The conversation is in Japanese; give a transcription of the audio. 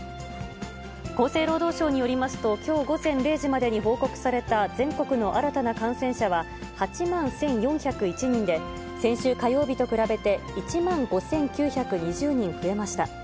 厚生労働省によりますと、きょう午前０時までに報告された全国の新たな感染者は８万１４０１人で、先週火曜日と比べて、１万５９２０人増えました。